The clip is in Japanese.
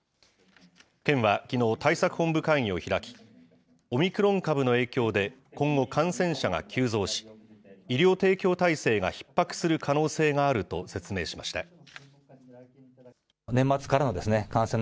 県はきのう対策本部会議を開き、オミクロン株の影響で、今後、感染者が急増し、医療提供体制がひっ迫する可能性があると説明しました。